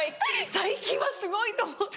最近はすごいと思って。